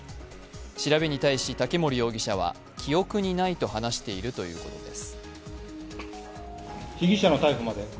調べに対し、竹森容疑者は記憶にないと話しているということです。